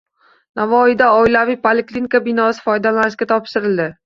Navoiyda oilaviy poliklinika binosi foydalanishga topshirildi